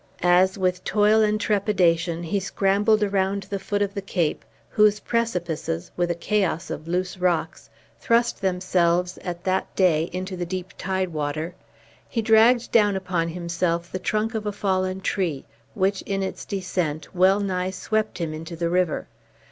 As, with toil and trepidation, he scrambled around the foot of the cape, whose precipices, with a chaos of loose rocks, thrust themselves at that day into the deep tidewater, he dragged down upon himself the trunk of a fallen tree, which, in its descent, well nigh swept him into the river.